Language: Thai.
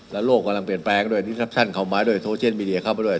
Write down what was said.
และโลกกำลังเปลี่ยนแปลงดีลักษณ์เข้ามาโทเชียนมีเดียเข้าไปด้วย